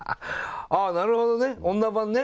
ああなるほどね女版ね。